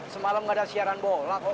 semalam gak ada siaran bola kok